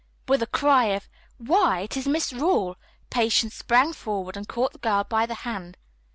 With a cry of, "Why, it is Miss Rawle!" Patience sprang forward and caught the girl by the hand.